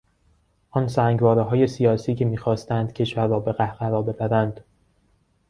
آن سنگوارههای سیاسی که میخواستند کشور را به قهقرا ببرند